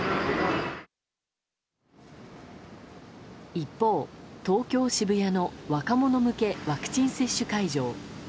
一方、東京・渋谷の若者向けワクチン接種会場。